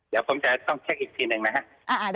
เดี๋ยวผมจะต้องเช็คอีกทีหนึ่งนะครับ